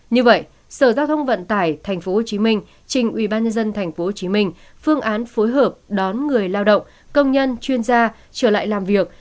như vậy sở giao thông vận tải tp hcm trình ubnd tp hcm phương án phối hợp đón người lao động công nhân chuyên gia trở lại làm việc